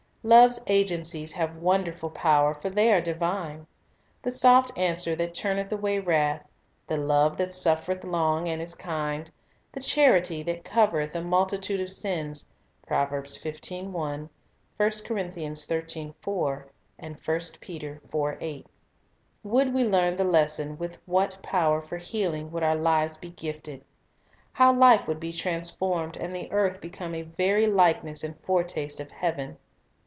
Love's agencies have wonderful power, for they are divine. The soft answer that "turneth away wrath," the love that "suffereth long, and is kind," the charity that "covereth a multitude of sins," 1 — would we learn the lesson, with what power for healing would our lives be gifted! How life would be transformed, and the earth become a very likeness and foretaste of heaven